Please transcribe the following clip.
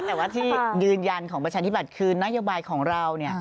แต่ว่าที่ยืนยันของประชาธิบัติคือนโยบายของเรา